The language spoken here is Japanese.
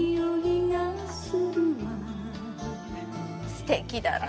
すてきだな。